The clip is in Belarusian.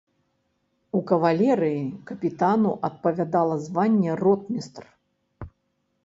У кавалерыі капітану адпавядала званне ротмістр.